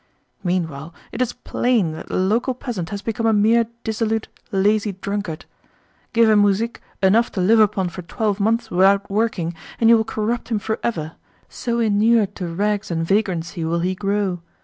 Meanwhile it is plain that the local peasant has become a mere dissolute, lazy drunkard. Give a muzhik enough to live upon for twelve months without working, and you will corrupt him for ever, so inured to rags and vagrancy will he grow.